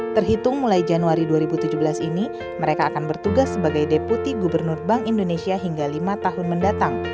terhitung mulai januari dua ribu tujuh belas ini mereka akan bertugas sebagai deputi gubernur bank indonesia hingga lima tahun mendatang